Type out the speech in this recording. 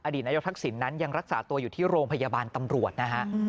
อดีตนายกทักศิลป์นั้นยังรักษาตัวอยู่ที่โรงพยาบาลตำรวจ